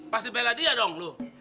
pasti bela dia dong